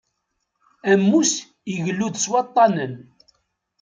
Ammus igellu-d s waṭṭanen.